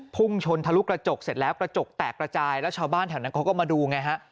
พุ่งชนทะลุกระจกเสร็จแล้วกระจกแตกระจายแล้วชาวบ้านแถวนั้นเขาก็มาดูไงฮะ